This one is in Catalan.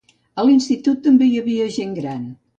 A l'institut també hi havia gent gran.